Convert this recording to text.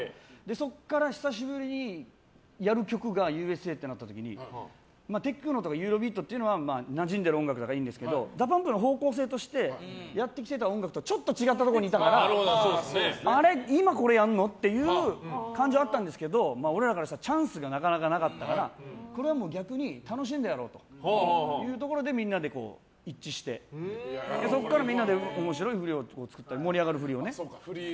そこから久しぶりにやる曲が「Ｕ．Ｓ．Ａ．」となった時にテクノとかユーロビートというのはなじんでいる音楽だからいいんですけどＤＡＰＵＭＰの方向性としてやってきた音楽とはちょっと違ったところにいたから今、これやるの？って感じがあったんですが俺らからしたらチャンスがなかなかなかったからこれはもう逆に楽しんでやろうというところでみんなで一致してそこからみんなで面白い振りとか作って、盛り上がる振りをね。